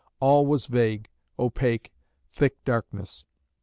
All was vague, opaque, thick darkness.